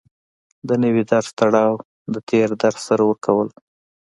د نوي درس تړاو د تېر درس سره ورکول